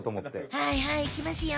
はいはいいきますよ。